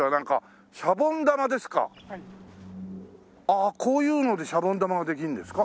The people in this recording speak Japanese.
ああこういうのでシャボン玉ができるんですか？